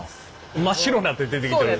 真っ白になって出てきてる。